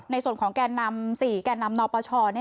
ในส่วนของแก่นำ๔แก่นำนปช